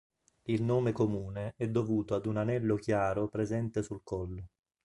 Il nome comune è dovuto ad un anello chiaro presente sul collo.